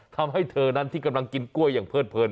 ทำให้เธอนั้นที่กำลังกินกล้วยอย่างเพิดเพลิน